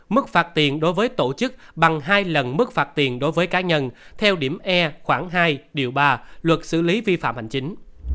mức phạt tiền đối với tổ chức bằng hai lần mức phạt tiền đối với cá nhân theo điểm e khoảng hai điều ba luật xử lý vi phạm hành chính